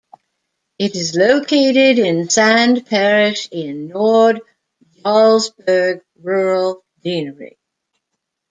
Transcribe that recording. It is located in Sande parish in Nord-Jarlsberg rural deanery.